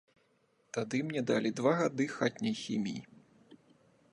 Тады мне далі два гады хатняй хіміі.